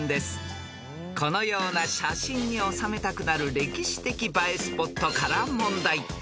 ［このような写真に収めたくなる歴史的映えスポットから問題］